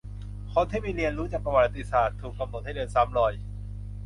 คนที่ไม่เรียนรู้จากประวัติศาสตร์ ถูกกำหนดให้เดินซ้ำรอย